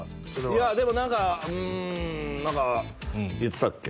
いやでも何かうん何か言ってたっけ？